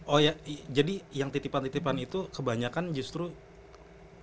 oh ya jadi yang titipan titipan itu kebanyakan justru